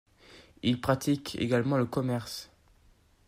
Ils pratiquent également le commerce.